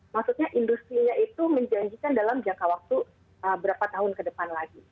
maksudnya industri nya itu menjanjikan dalam jangka waktu berapa tahun ke depan lagi